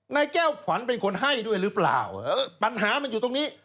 นายแก้วขวัญเป็นคนให้ด้วยหรือเปล่าปัญหามันอยู่ตรงนี้